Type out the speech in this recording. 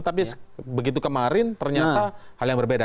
tapi begitu kemarin ternyata hal yang berbeda